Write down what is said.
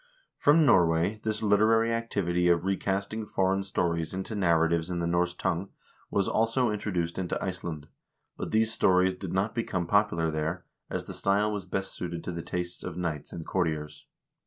From Norway this literary activity of recasting foreign stories into narratives in the Norse tongue was also introduced into Iceland, but these stories did not become popular there, as the style was best suited to the tastes of knights and courtiers.